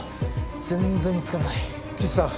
全然見つからない岸さん